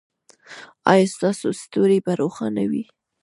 ایا ستاسو ستوری به روښانه وي؟